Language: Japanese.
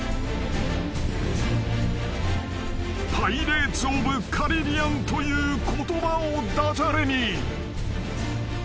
［『パイレーツ・オブ・カリビアン』という言葉をダジャレに］